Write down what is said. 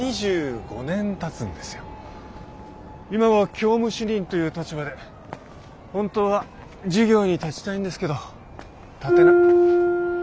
今は教務主任という立場で本当は授業に立ちたいんですけど立て。